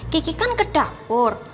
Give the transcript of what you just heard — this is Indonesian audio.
gigi kan ke dapur